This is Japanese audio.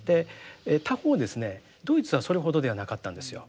他方ですねドイツはそれほどではなかったんですよ。